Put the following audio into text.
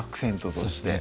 として